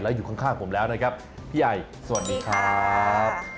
อยู่ข้างผมแล้วนะครับพี่ใหญ่สวัสดีครับ